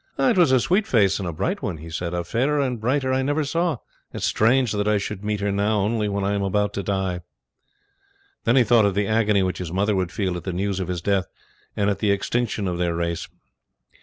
"It was a sweet face and a bright one," he said; "a fairer and brighter I never saw. It is strange that I should meet her now only when I am about to die." Then he thought of the agony which his mother would feel at the news of his death and at the extinction of their race.